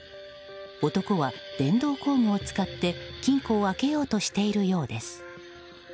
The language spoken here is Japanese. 男は電動工具を使って、金庫を開けようとしているようです。